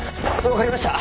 分かりました。